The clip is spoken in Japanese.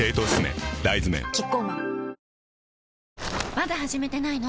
まだ始めてないの？